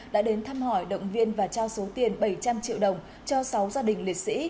đã đến thăm hỏi động viên và trao số tiền bảy trăm linh triệu đồng cho sáu gia đình liệt sĩ